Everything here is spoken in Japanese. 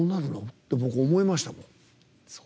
って僕、思いましたもん。